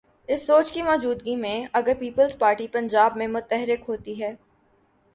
اس سوچ کی موجودگی میں، اگر پیپلز پارٹی پنجاب میں متحرک ہوتی ہے۔